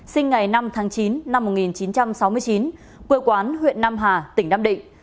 sinh ngày năm tháng chín năm một nghìn chín trăm sáu mươi chín quê quán huyện nam hà tỉnh nam định